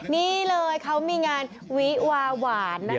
นี่เลยเขามีงานวิวาหวานนะคะ